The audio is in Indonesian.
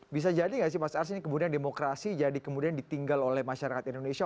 bisa jadi nggak sih mas ars ini kemudian demokrasi jadi kemudian ditinggal oleh masyarakat indonesia